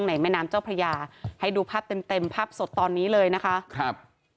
ในแม่น้ำเจ้าพระยาให้ดูภาพเต็มเต็มภาพสดตอนนี้เลยนะคะครับ